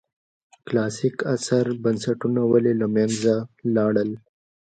کلاسیک عصر بنسټونه ولې له منځه لاړل.